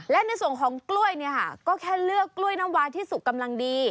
และในส่วนของกล้วยเนี่ยค่ะก็แค่เลือกกล้วยน้ำวาที่สุกกำลังดี